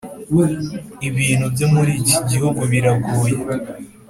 Ibintu byo muri iki gihugu biragoye